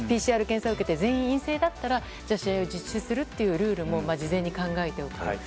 ＰＣＲ検査受けて全員陰性だったら試合を実施するルールも事前に考えて。